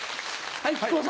はい。